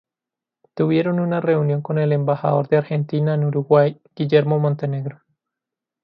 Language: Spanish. Tuvieron una reunión con el embajador de Argentina en Uruguay Guillermo Montenegro.